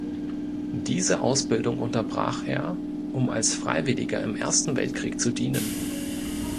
Diese Ausbildung unterbrach er, um als Freiwilliger im Ersten Weltkrieg zu dienen.